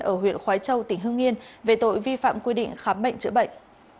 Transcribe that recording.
ở huyện khói châu tỉnh hương yên về tội vi phạm quy định khám bệnh chữa bệnh